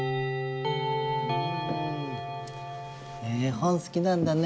本すきなんだね。